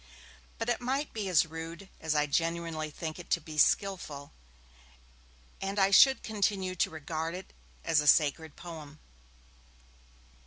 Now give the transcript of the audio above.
But it might be as rude as I genuinely think it to be skilful, and I should continue to regard it as a sacred poem.